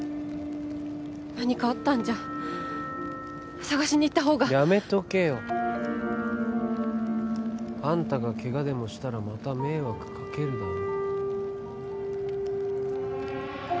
何かあったんじゃ捜しに行った方がやめとけよあんたがケガでもしたらまた迷惑かけるだろ？